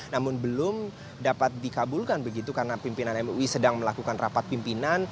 namun belum dapat dikabulkan begitu karena pimpinan mui sedang melakukan rapat pimpinan